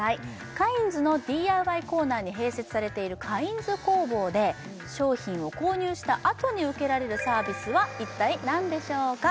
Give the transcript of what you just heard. カインズのＤＩＹコーナーに併設されているカインズ工房で商品を購入した後に受けられるサービスは一体何でしょうか？